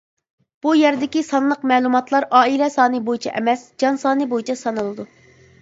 بۇ يەردىكى سانلىق مەلۇماتلار ئائىلە سانى بويىچە ئەمەس، جان سانى بويىچە سانىلىدۇ.